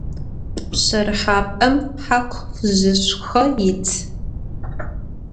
Pşerıhap'em haku fıjışşxo yit.